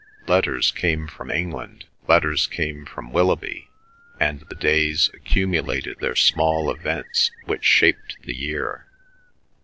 Letters came from England, letters came from Willoughby, and the days accumulated their small events which shaped the year.